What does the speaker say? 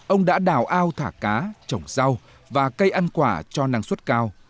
ông đã đào ao thả cá trồng rau và cây ăn quả cho năng suất cao